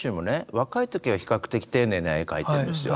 若い時は比較的丁寧な絵描いてるんですよ。